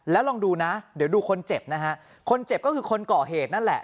แล้วลองดูนะเดี๋ยวดูคนเจ็บนะฮะคนเจ็บก็คือคนก่อเหตุนั่นแหละ